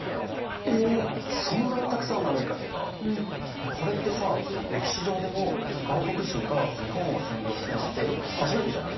いやこれってさ歴史上でも外国人が日本を占領するなんて初めてじゃない？